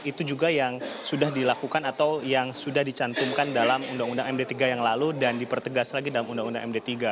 itu juga yang sudah dilakukan atau yang sudah dicantumkan dalam undang undang md tiga yang lalu dan dipertegas lagi dalam undang undang md tiga